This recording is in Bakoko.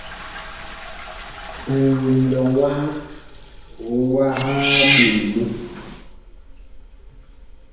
Ŋlɔŋ waha wah ɓem ɓe.